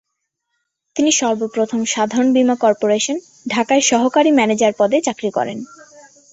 তিনি সর্ব প্রথম সাধারণ বীমা কর্পোরেশন, ঢাকায় সহকারী ম্যানেজার পদে চাকরি করেন।